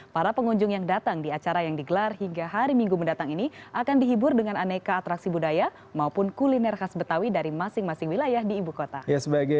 para pengunjung yang datang di acara yang digelar hingga hari minggu mendatang ini akan dihibur dengan aneka atraksi budaya maupun kuliner khas betawi dari masing masing wilayah di ibu kota